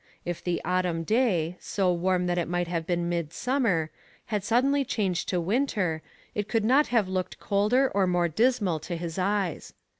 If the autumn day, so warm that it might have been midsummer, had suddenly changed to winter, it could not have looked colder or more dismal to his eyes.